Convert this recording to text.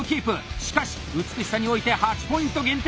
しかし美しさにおいて８ポイント減点。